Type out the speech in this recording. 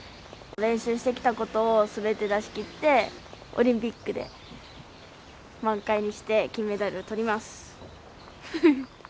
練習してきたことをすべて出しきって、オリンピックで満開にして、金メダルとります。